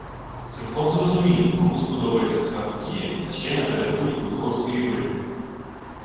Цілком зрозуміло – кому сподобається така подія, та ще й напередодні Куликовської битви